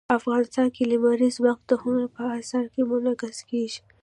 افغانستان کې لمریز ځواک د هنر په اثار کې منعکس کېږي.